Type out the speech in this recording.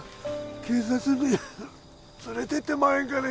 警察に連れてってもらえんかね